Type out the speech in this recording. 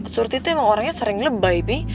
surti tuh emang orangnya sering lebay bi